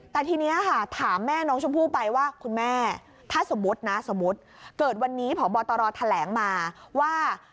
แต่ทีนี้ถามแม่น้องชมพู่ไปว่า